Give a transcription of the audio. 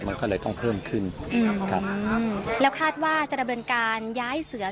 มันก็เลยต้องเพิ่มขึ้นอืมครับแล้วคาดว่าจะดำเนินการย้ายเสือ